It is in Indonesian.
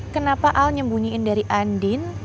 kenapa al nyembunyiin dari andin